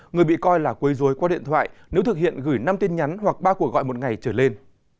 người bị coi là quấy rối qua điện thoại nếu thực hiện gửi năm tin nhắn hoặc ba cuộc gọi một ngày trở lên